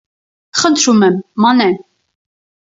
Խնդրում եմ, Մանե…